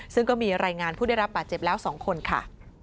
ซึ่งก็มีรายงานผู้ได้รับบาดเจ็บแล้ว๒คนค่ะ